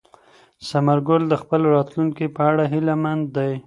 ثمر ګل د خپل راتلونکي په اړه هیله من دی.